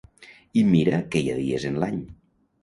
I mira que hi ha dies en l’any.